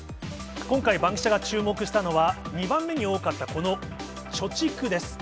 今回、バンキシャが注目したのは、２番目に多かった、この貯蓄です。